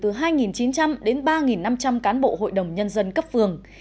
từ hai chín trăm linh đến ba năm trăm linh cán bộ hội đồng nhân dân cấp phường